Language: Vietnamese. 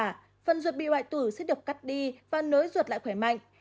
phần ruột bị hoại tử sẽ được cắt đi và nối ruột lại khỏe mạnh